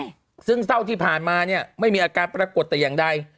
ใช่ซึ่งเศร้าที่ผ่านมาเนี่ยไม่มีอาการปรากฏแต่อย่างใด